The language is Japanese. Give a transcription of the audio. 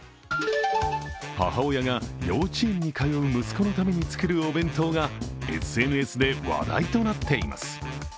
母親が幼稚園に通う息子のために作るお弁当がＳＮＳで話題となっています。